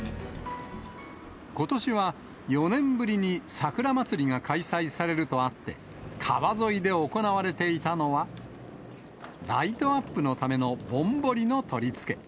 ことしは、４年ぶりに桜まつりが開催されるとあって、川沿いで行われていたのは、ライトアップのためのぼんぼりの取り付け。